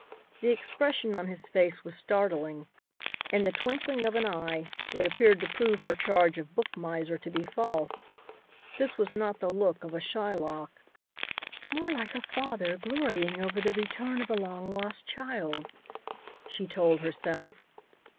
The expression on his face was startling. In the twinkling of an eye, it appeared to prove her charge of book miser to be false. This was not the look of a Shylock. "More like a father glorying over the return of a long lost child," she told herself.